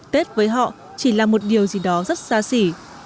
tết với họ chỉ là một điều gì đó rất xa xỉ